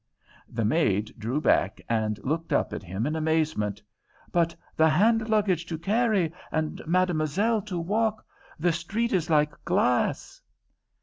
The maid drew back and looked up at him in amazement. "But, the hand luggage to carry, and Mademoiselle to walk! The street is like glass!"